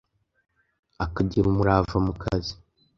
akagira umurava mu kazi